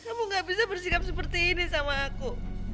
kamu gak bisa bersikap seperti ini sama aku